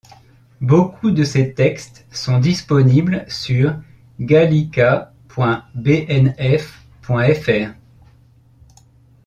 Beaucoup de ces textes sont disponibles sur Gallica.bnf.fr.